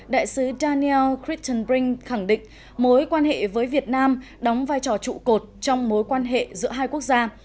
đại sứ daniel crittenbrink khẳng định mối quan hệ với việt nam đóng vai trò trụ cột trong mối quan hệ giữa hai quốc gia